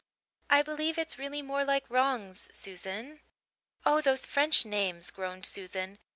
"I believe it's really more like 'Rhangs,' Susan." "Oh, those French names," groaned Susan.